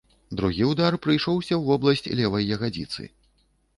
Другі ўдар прыйшоўся ў вобласць левай ягадзіцы.